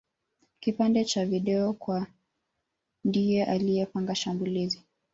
kipande cha video kuwa ndiye aliyepanga shambulizi